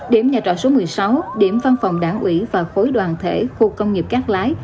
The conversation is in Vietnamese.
điểm nhà trọ số một mươi sáu điểm văn phòng đảng ủy và khối đoàn thể khu công nghiệp cát lái